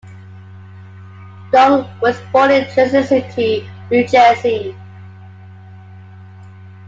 Young was born in Jersey City, New Jersey.